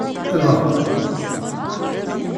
Enɣ.